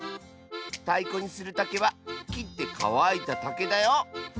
たいこにするたけはきってかわいたたけだよ！